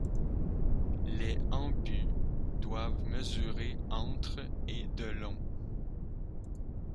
Les en-buts doivent mesurer entre et de long.